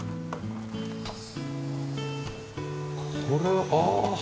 これはああ。